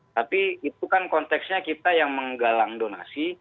tapi itu kan konteksnya kita yang menggalang donasi